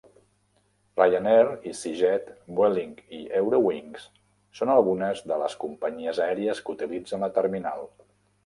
Ryanair, Easyjet, Vueling i Eurowings són algunes de les companyies aèries que utilitzen la terminal.